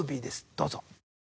どうぞ。